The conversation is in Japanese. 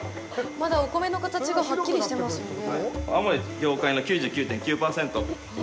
まだお米の形がはっきりしてますよね。